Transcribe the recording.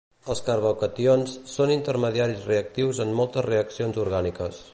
Els carbocations són intermediaris reactius en moltes reaccions orgàniques.